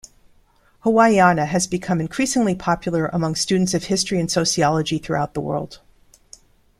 Hawaiiana has become increasingly popular among students of history and sociology throughout the world.